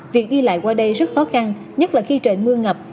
việc đi lại qua đây rất khó khăn nhất là khi trời mưa ngập